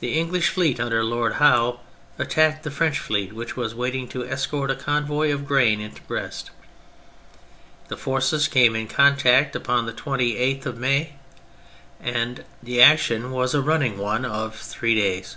The English fleet under Lord Howe at tacked the French fleet which was waiting to escort a convoy of grain into Brest ; the forces came in contact upon the 28th of May, and the action was a running one of three days.